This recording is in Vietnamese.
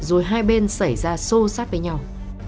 rồi hai bên xảy ra sô sát với nhau